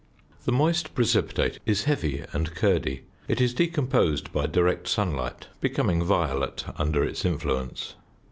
The moist precipitate is heavy and curdy; it is decomposed by direct sunlight, becoming violet under its influence.